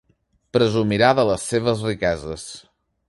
Presumirà de les seves riqueses.